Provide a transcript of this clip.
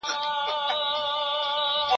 نه دېوال نه كنډواله نه قلندر وو